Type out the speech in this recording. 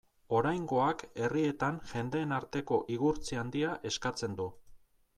Oraingoak herrietan jendeen arteko igurtzi handia eskatzen du.